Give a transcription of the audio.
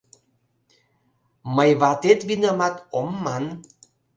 Мый «ватет винамат» ом ман.